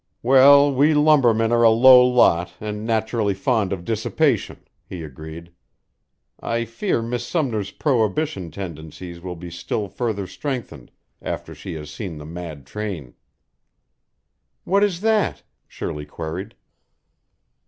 "Well, we lumbermen are a low lot and naturally fond of dissipation," he agreed. "I fear Miss Sumner's Prohibition tendencies will be still further strengthened after she has seen the mad train." "What is that?" Shirley queried.